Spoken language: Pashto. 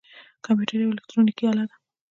کمپیوټر یوه الکترونیکی آله ده